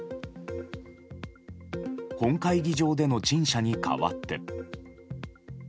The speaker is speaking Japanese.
本会議場での陳謝に代わって。